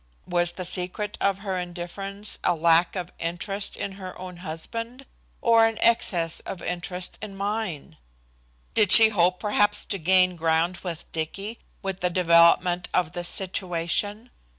Was the secret of her indifference, a lack of interest in her own husband or an excess of interest in mine? Did she hope perhaps to gain ground with Dicky with the development of this situation?